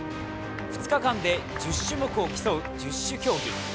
２日間で１０種目を競う１０種競技。